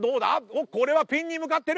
おっこれはピンに向かってる！